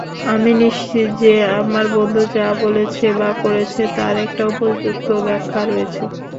আমি নিশ্চিত যে আমার বন্ধু যা বলেছে বা করেছে তার একটা উপযুক্ত ব্যাখ্যা রয়েছে।